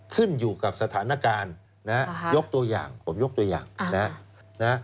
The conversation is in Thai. ขึ้นอยู่กับสถานการณ์นะฮะยกตัวอย่างผมยกตัวอย่างนะ